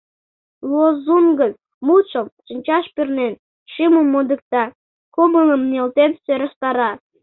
Лозунгын мутшо, шинчаш пернен, шӱмым модыкта, кумылым нӧлтен сӧрастара.